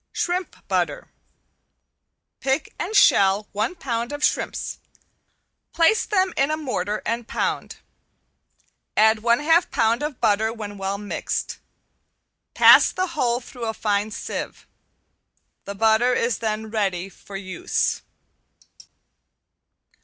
~SHRIMP BUTTER~ Pick and shell one pound of shrimps, place them in a mortar and pound, add one half pound of butter when well mixed; pass the whole through a fine sieve. The butter is then ready for use.